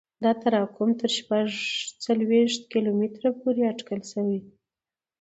دا تراکم تر شپږ څلوېښت کیلومتره پورې اټکل شوی دی